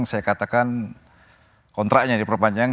saya katakan kontraknya diperpanjang